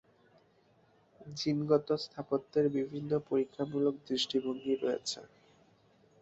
জিনগত স্থাপত্যের বিভিন্ন পরীক্ষামূলক দৃষ্টিভঙ্গি রয়েছে।